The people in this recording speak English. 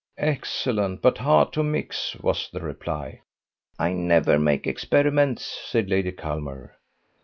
"Excellent, but hard to mix," was the reply. "I never make experiments," said Lady Culmer.